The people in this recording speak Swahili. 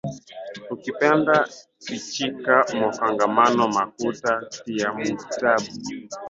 Ukipenda fichika mukongomani makuta tiya mu kitabu